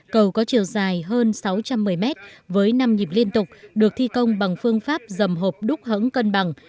cầu có chiều dài hơn sáu trăm một mươi mét với năm nhịp liên tục được thi công bằng phương pháp dầm hộp đúc hẳng cân bằng